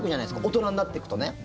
大人になっていくとね。